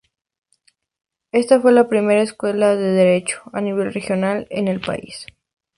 Esta fue la primera escuela de derecho a nivel regional en el país.